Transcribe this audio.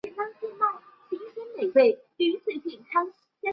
下列为埃及派驻英国的外交代表。